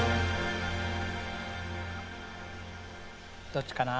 どっちかな。